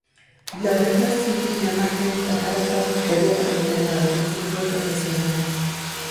Logrando así una más que destacada trayectoria como entrenador en el fútbol profesional.